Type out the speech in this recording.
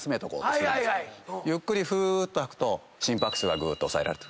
ゆっくりふーっと吐くと心拍数はぐーっと抑えられると。